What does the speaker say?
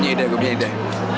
gak ada gue berniain deh